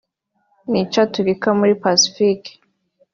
ni caturikira muri Pacifique